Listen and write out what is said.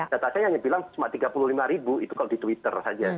data saya hanya bilang cuma tiga puluh lima ribu itu kalau di twitter saja